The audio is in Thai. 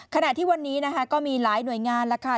ขณะที่วันนี้นะคะก็มีหลายหน่วยงานแล้วค่ะ